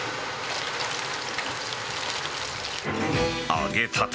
揚げたて